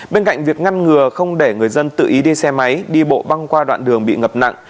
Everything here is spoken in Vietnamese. bên cạnh việc ngăn ngừa không để người dân tự ý đi xe máy đi bộ băng qua đoạn đường bị ngập nặng